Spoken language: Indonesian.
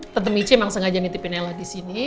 tante mici emang sengaja nitipin naila disini